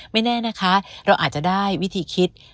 ไม่แน่นะคะเราอาจจะได้วิธีคิด